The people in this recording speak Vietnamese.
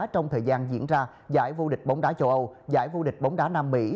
trong thời gian diễn ra giải vô địch bóng đá châu âu giải vô địch bóng đá nam mỹ